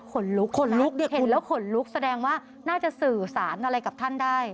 ขนลุกเห็นแล้วขนลุกแสดงว่าน่าจะสื่อสารอะไรกับท่านได้